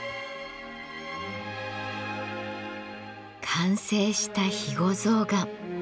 完成した肥後象がん。